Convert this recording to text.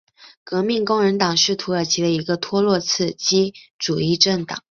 革命工人党是土耳其的一个托洛茨基主义政党。